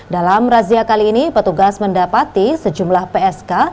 dalam razia kali ini petugas mendapati sejumlah psk